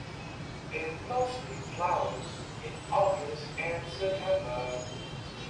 It mostly flowers in August and September.